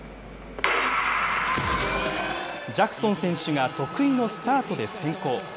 ジャクソン選手が得意のスタートで先行。